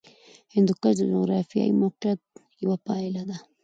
هندوکش د جغرافیایي موقیعت یوه پایله ده.